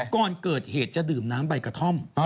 ก่อนเกิดเหตุจะดื่มน้ำใบกระท่อม